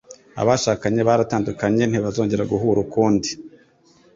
Abashakanye baratandukanye, ntibazongera guhura ukundi.